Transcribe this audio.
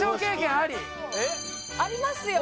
ありますよ